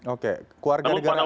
oke keluarga negara lain